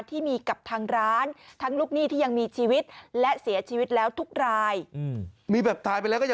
ที่มีกับทางร้านทั้งลูกหนี้ที่ยังมีชีวิต